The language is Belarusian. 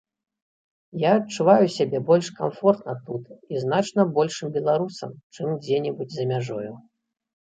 Я адчуваю сябе больш камфортна тут, і значна большым беларусам, чым дзе-небудзь за мяжою.